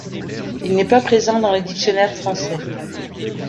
Il n'est pas présent dans les dictionnaires français.